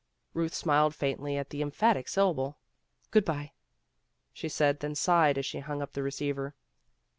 Euth smiled faintly at the emphatic syllable. "Good by," she said, then sighed as she hung up the receiver.